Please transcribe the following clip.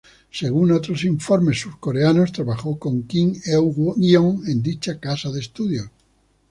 Según otros informes surcoreanos, trabajó con Kim Eun-gyong en dicha casa de estudios.